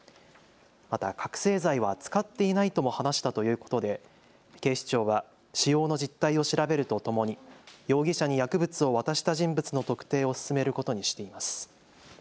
また覚醒剤は使っていないとも話したということで警視庁は使用の実態を調べるとともに容疑者に薬物を渡した人物の特定を進めることにしています。